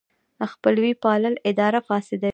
خپلوي پالل اداره فاسدوي.